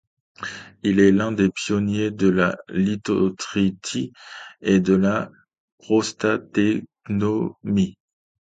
Il est l'un des pionniers de la lithotritie et de la prostatectomie.